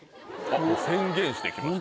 宣言してきました。